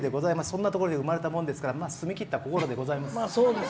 そんなところで育ったもんでございますから澄み切ったところでございます。